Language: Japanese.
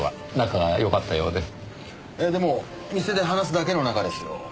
ええでも店で話すだけの仲ですよ。